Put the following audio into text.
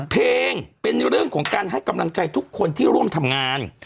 เพลงเป็นเรื่องของการให้กำลังใจทุกคนที่ร่วมทำงาน